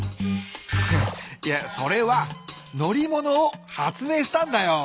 いやそれは乗り物を発明したんだよ。